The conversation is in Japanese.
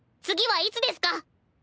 次はいつですか？